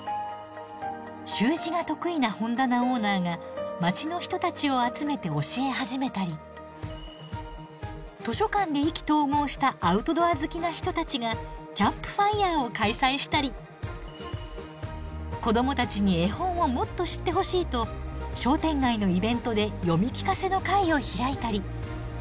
習字が得意な本棚オーナーが街の人たちを集めて教え始めたり図書館で意気投合したアウトドア好きな人たちがキャンプファイアを開催したり子どもたちに絵本をもっと知ってほしいと商店街のイベントで読み聞かせの会を開いたり。